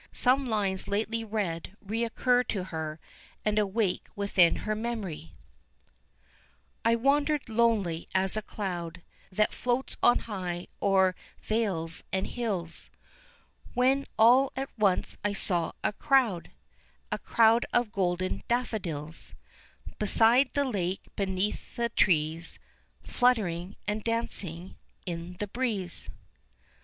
Some lines lately read recur to her, and awake within her memory; "I wandered lonely as a cloud, That floats on high o'er vales and hills, When all at once I saw a crowd, A crowd of golden daffodils Beside the lake, beneath the trees, Fluttering and dancing in the breeze."